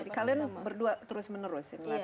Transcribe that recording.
jadi kalian berdua terus menerus ini latihan